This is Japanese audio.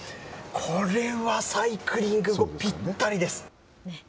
これはサイクリング後、ぴったりです。